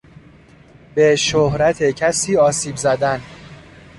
به شهرت کسی آسیب زدن